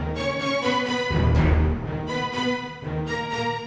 tidak mungkin kita